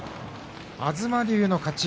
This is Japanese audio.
東龍の勝ち。